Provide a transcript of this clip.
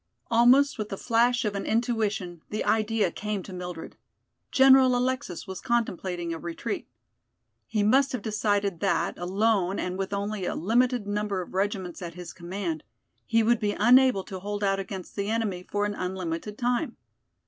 Almost with the flash of an intuition the idea came to Mildred: General Alexis was contemplating a retreat. He must have decided that, alone and with only a limited number of regiments at his command, he would be unable to hold out against the enemy for an unlimited time.